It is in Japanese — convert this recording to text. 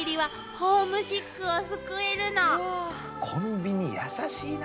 コンビニ優しいな。